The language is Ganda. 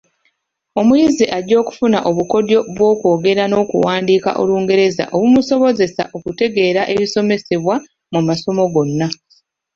Omuyizi ajja okufuna obukodyo bw’okwogera n’okuwandiika olungereza obumusobozesa okutegeera ebisomesebwa mu masomo gonna.